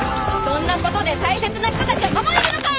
そんなことで大切な人たちを守れるのか！？